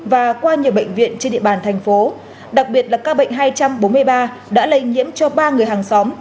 và qua nhiều bệnh viện trên địa bàn thành phố đặc biệt là ca bệnh hai trăm bốn mươi ba đã lây nhiễm cho ba người hàng xóm